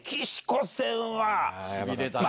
しびれたね。